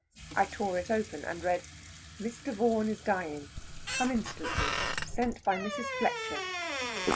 I tore it open and read "Mr. Vaughan is dying, come instantly. Sent by Mrs. Fletcher."